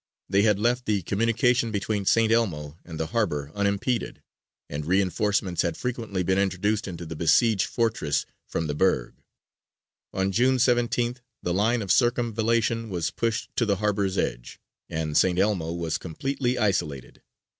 They had left the communication between St. Elmo and the harbour unimpeded, and reinforcements had frequently been introduced into the besieged fortress from the Burg. On June 17th the line of circumvallation was pushed to the harbour's edge, and St. Elmo was completely isolated.